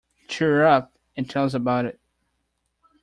Cheer up, and tell us about it!